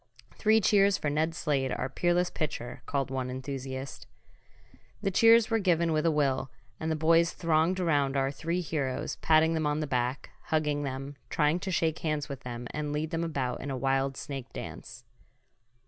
"Three cheers for Ned Slade, our peerless pitcher!" called one enthusiast. The cheers were given with a will, and the boys thronged around our three heroes, patting them on the back, hugging them, trying to shake hands with them and lead them about in a wild snake dance.